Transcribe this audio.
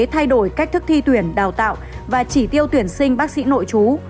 thay đổi cách thức thi tuyển đào tạo và chỉ tiêu tuyển sinh bác sĩ nội chú